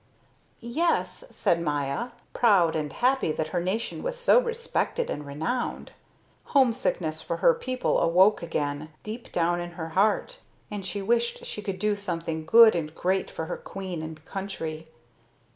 "Yes," said Maya, proud and happy that her nation was so respected and renowned. Homesickness for her people awoke again, deep down in her heart, and she wished she could do something good and great for her queen and country.